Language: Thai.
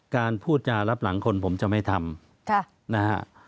การพูดอย่ารับหลังคนผมจะไม่ทำ